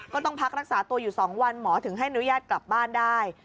ต้องพักรักษาตัวอยู่๒วันหมอถึงให้อนุญาตกลับบ้านได้